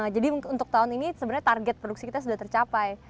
jadi untuk tahun ini sebenarnya target produksi kita sudah tercapai